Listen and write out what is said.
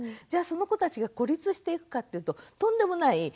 じゃあその子たちが孤立していくかっていうととんでもない。